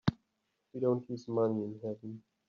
We don't use money in heaven.